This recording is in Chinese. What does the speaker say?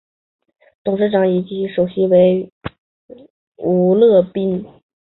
董事长及首席执行官为吴乐斌。